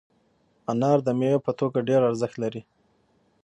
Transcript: انار د میوې په توګه ډېر ارزښت لري.